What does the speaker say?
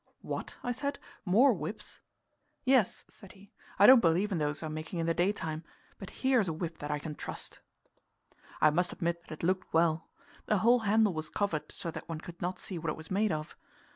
"What," I said, "more whips?" "Yes," said he; "I don't believe in those I'm making in the daytime. But here's a whip that I can trust." I must admit that it looked well. The whole handle was covered, so that one could not see what it was made of.